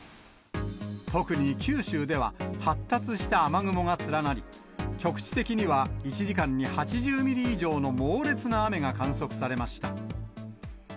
特に九州では、発達した雨雲が連なり、局地的には１時間に８０ミリ以上の猛烈な雨が観測されました。